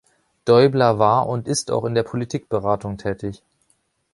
Däubler war und ist auch in der Politikberatung tätig.